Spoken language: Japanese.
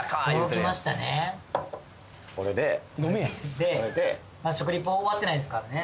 これでこれで食レポ終わってないですからね